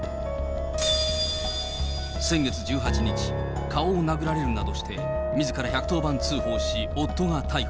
先月１８日、顔を殴られるなどして、みずから１１０番通報し、夫が逮捕。